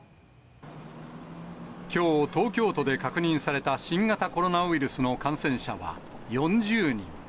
きょう、東京都で確認された新型コロナウイルスの感染者は４０人。